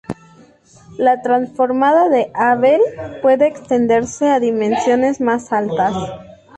La transformada de Abel puede extenderse a dimensiones más altas.